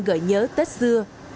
gợi nhớ tết xưa